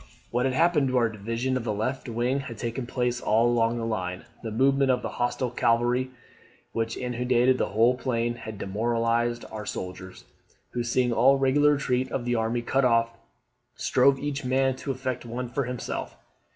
'What had happened to our division of the left wing had taken place all along the line. The movement of the hostile cavalry, which inundated the whole plain, had demoralised our soldiers, who seeing all regular retreat of the army cut off, strove each man to effect one for himself.